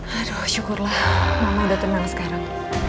harap syukurlah mama udah tenang sekarang